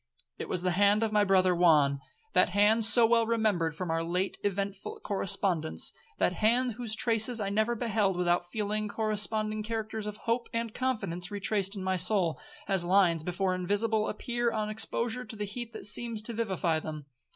It was the hand of my brother Juan, that hand so well remembered from our late eventful correspondence,—that hand whose traces I never beheld without feeling corresponding characters of hope and confidence retraced in my soul, as lines before invisible appear on exposure to the heat that seems to vivify them.